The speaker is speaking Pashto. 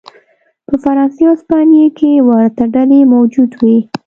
په فرانسې او هسپانیې کې ورته ډلې موجود وې.